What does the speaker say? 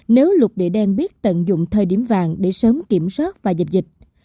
nếu lục địa đen biết tận dụng thời điểm vàng để sớm kiểm soát và dập dịch